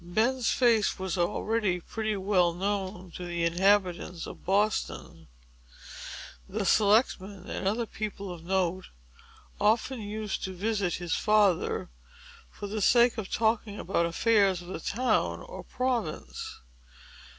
Ben's face was already pretty well known to the inhabitants of Boston. The selectmen, and other people of note, often used to visit his father, for the sake of talking about the affairs of the town or province.